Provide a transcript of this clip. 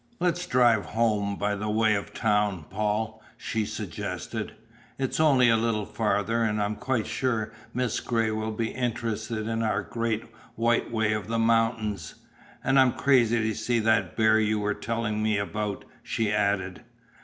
"Let's drive home by way of town, Paul," she suggested. "It's only a little farther, and I'm quite sure Miss Gray will be interested in our Great White Way of the mountains. And I'm crazy to see that bear you were telling me about," she added.